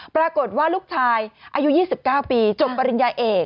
ปรากฏว่าลูกชายอายุ๒๙ปีจบปริญญาเอก